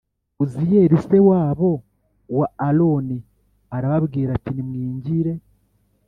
Uziyeli se wabo wa aroni arababwira ati nimwigire